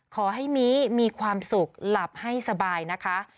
ขอให้มีมีความสุขหลับให้สบายนะคะ